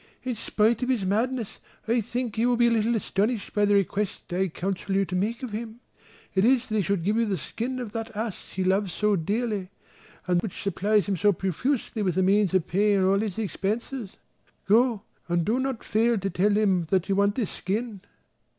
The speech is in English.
In spite of his madness I think he will be a little astonished by the request that I counsel you to make of him; it is that he should give you the skin of that ass he loves so dearly, and which supplies him so profusely with the means of paying all his expenses. Go, and do not fail to tell him that you want this skin."